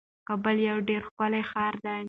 کابل یو ډیر ښکلی ښار دی.